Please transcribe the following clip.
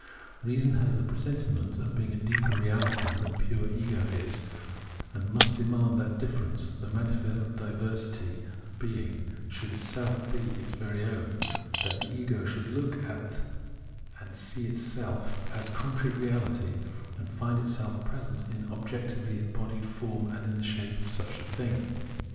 Eeason has the presentiment of being a deeper reahty than pure ego is, and must demand that difference, the manifold diversity of being, should itself become its very own, that the ego should look at and see itself as concrete reahty, and find itself present in objectively embodied form and in the shape of a " thing."